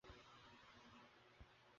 তিনি একজন সচেতন শিল্পী ছিলেন।